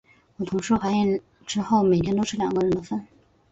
我同事怀孕之后，每天都吃两个人的份。